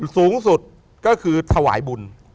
สูงสุดก็คือถวายบุญ